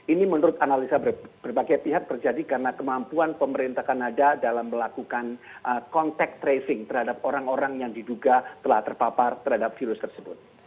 ini menurut analisa berbagai pihak terjadi karena kemampuan pemerintah kanada dalam melakukan kontak tracing terhadap orang orang yang diduga telah terpapar terhadap virus tersebut